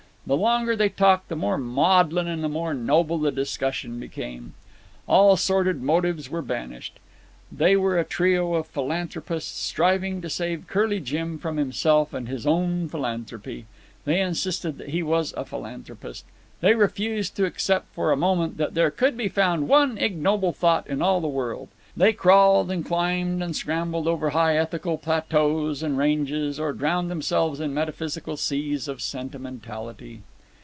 The longer they talked the more maudlin and the more noble the discussion became. All sordid motives were banished. They were a trio of philanthropists striving to save Curly Jim from himself and his own philanthropy. They insisted that he was a philanthropist. They refused to accept for a moment that there could be found one ignoble thought in all the world. They crawled and climbed and scrambled over high ethical plateaux and ranges, or drowned themselves in metaphysical seas of sentimentality.